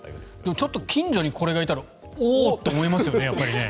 ちょっと近所にこれがいたらおお！と思いますよね。